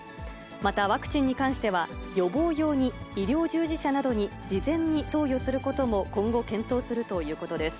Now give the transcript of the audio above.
また、ワクチンに関しては、予防用に医療従事者などに事前に投与することも、今後、検討するということです。